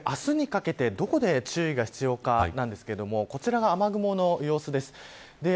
明日にかけてどこで注意が必要かなんですがこちらが、雨雲の様子です。